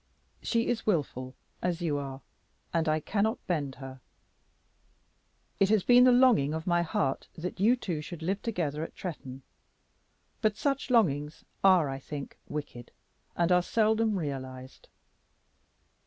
She is wilful, as you are, and I cannot bend her. It has been the longing of my heart that you two should live together at Tretton. But such longings are, I think, wicked, and are seldom realized.